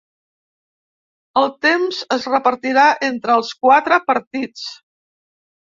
El temps es repartirà entre els quatre partits.